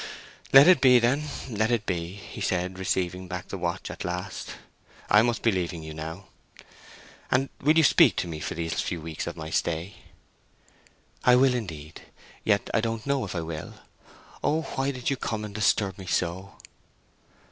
"Let it be, then, let it be," he said, receiving back the watch at last; "I must be leaving you now. And will you speak to me for these few weeks of my stay?" "Indeed I will. Yet, I don't know if I will! Oh, why did you come and disturb me so!"